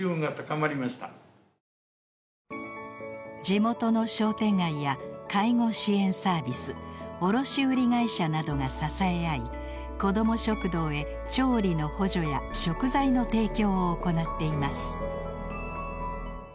地元の商店街や介護支援サービス卸売会社などが支え合い子ども食堂へ調理の補助や食材の提供を行っています。